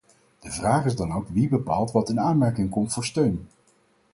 De vraag is dan ook wie bepaalt wat in aanmerking komt voor steun.